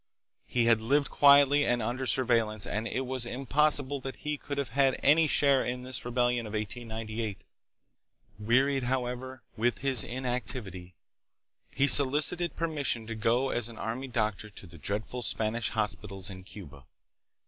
He had lived quietly and under surveillance, and it was im possible that he could have had any share in this rebellion of 1898. Wearied, however, with his inactivity, he so licited permission to go as an army doctor to the dreadful PROGRESS AND REVOLUTION. 1837 1897. 285 Spanish hospitals in Cuba.